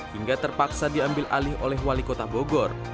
hingga terpaksa diambil alih oleh wali kota bogor